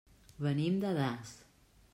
Venim de Das.